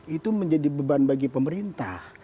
itu menjadi beban bagi pemerintah